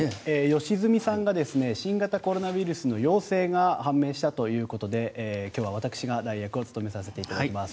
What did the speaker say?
良純さんが新型コロナウイルスの陽性が判明したということで今日は私が代役を務めさせていただきます。